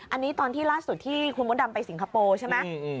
อันนี้ตอนที่ล่าสุดที่คุณมดดำไปสิงคโปร์ใช่ไหม